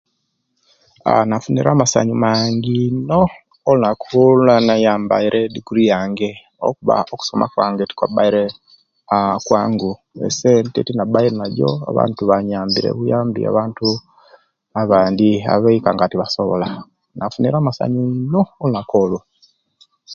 Aaah nafunile amasanyu mangi ino olunaku olwenayambaile ediguri yanga lwakuba okusoma kwange aaah tekwabaile kwangu esente tinabaile najjo abantu banyambire buyambi abantu abandi abeika nga tebasobola nafunile amasanyu mangi ino olunaku olwo